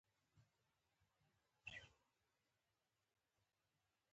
خو دا قانون عملاً له ستر ګواښ سره مخامخ دی.